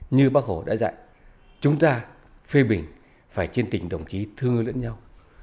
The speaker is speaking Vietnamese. như bác hồ đã dạy chúng ta phê bình phải trên tình đồng chí thương ước lẫn nhau